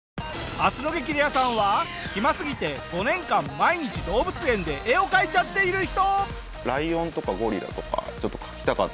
明日の『激レアさん』は暇すぎて５年間毎日動物園で絵を描いちゃっている人。